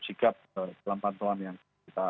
sikap dalam pantauan yang kita